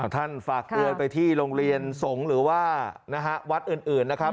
ฝากเตือนไปที่โรงเรียนสงฆ์หรือว่าวัดอื่นนะครับ